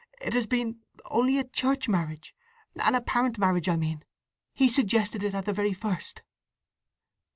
It has been—only a church marriage—an apparent marriage I mean! He suggested it at the very first!"